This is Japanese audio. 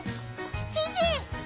７時！